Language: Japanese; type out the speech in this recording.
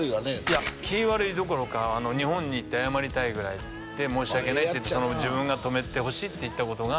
いや気悪いどころか「日本に行って謝りたいぐらい申し訳ない」って言って「自分が泊めてほしいって言ったことが」